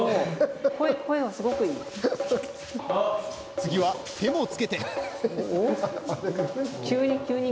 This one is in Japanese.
次は手もつけて。